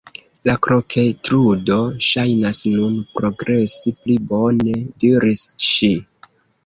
"La kroketludo ŝajnas nun progresi pli bone," diris ŝi.